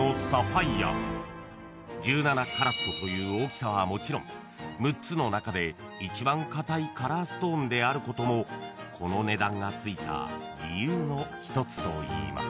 ［１７カラットという大きさはもちろん６つの中で一番硬いカラーストーンであることもこの値段が付いた理由の一つといいます］